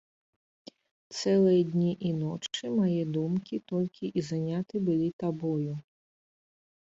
Цэлыя дні і ночы мае думкі толькі і заняты былі табою.